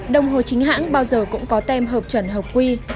đồng hồ chính hãng bao giờ cũng có tem hợp chuẩn hợp quy